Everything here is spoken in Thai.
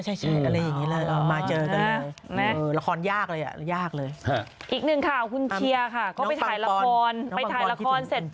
ใช่อะไรอย่างนี้เลย